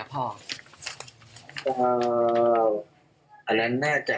อ่าอันนั้นน่าจะ